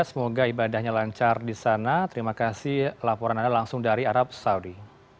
terima kasih laporan anda langsung dari arab saudi